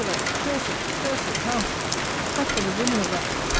that cursed, cursed house! But for the women of that!